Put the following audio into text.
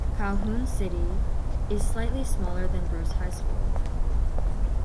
Calhoun City is slightly smaller than Bruce High School.